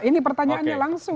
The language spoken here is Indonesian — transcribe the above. ini pertanyaannya langsung